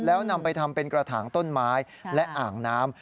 แล้วนำไปทำเป็นกระถางต้นไม้และอ่างน้ำ